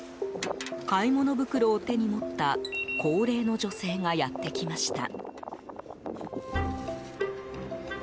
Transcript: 買い物袋を手に持った高齢の女性がやってきました。